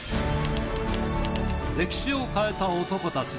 歴史を変えた男たち。